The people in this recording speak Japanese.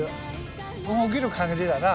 動けるかぎりだな。